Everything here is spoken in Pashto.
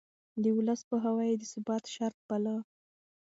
د ولس پوهاوی يې د ثبات شرط باله.